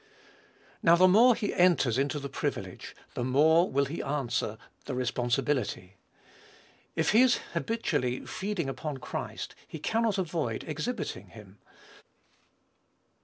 Now, the more he enters into the privilege, the more will he answer the responsibility. If he is habitually feeding upon Christ, he cannot avoid exhibiting him.